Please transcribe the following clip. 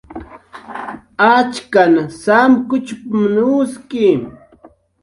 "Achkan samkuchp""mn uski"